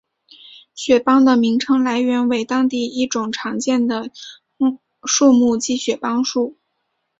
雪邦的名称来源为当地一种常见的树木即雪邦树。